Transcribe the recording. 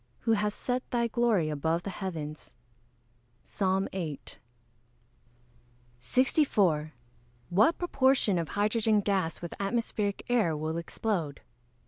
who hast set thy glory above the heavens." PSALM VIII.] 64. _What proportion of hydrogen gas with atmospheric air will explode?